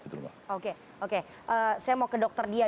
oke oke saya mau ke dokter dia